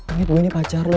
ingat gue ini pacar lu